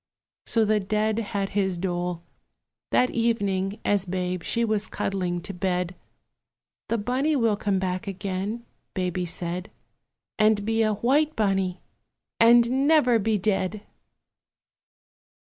So the dead had his dole. That evening, as Babe she was cuddling to bed, "The Bunny will come back again," Baby said, "And be a white bunny, and never be dead!"